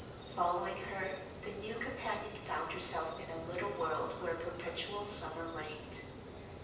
Following her, the new companion found herself in a little world where perpetual summer reigned.